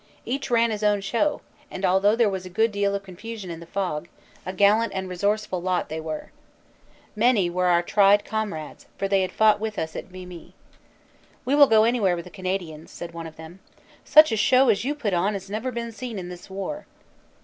Each ran his own show, and although there was a good deal of confusion in the fog, a gallant and resourceful lot they were. Many were our tried comrades, for they had fought with us at Vimy. "We will go anywhere with the Canadians," said one of them. "Such a show as you put on has never been seen in this war."